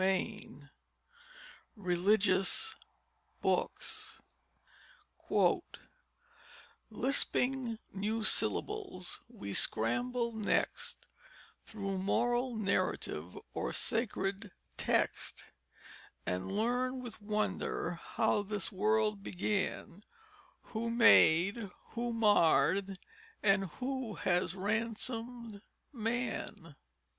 CHAPTER XIII RELIGIOUS BOOKS Lisping new syllables, we scramble next Through moral narrative, or sacred text, And learn with wonder how this world began; Who made, who marred, and who has ransomed man.